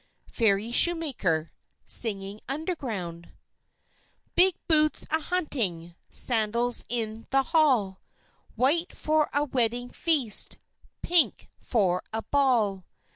FAIRY SHOEMAKER (singing underground) Big boots a hunting, Sandals in the hall, White for a wedding feast, Pink for a ball.